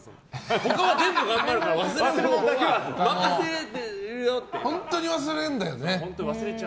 他は全部頑張るから忘れ物だけは本当に忘れるんだよね。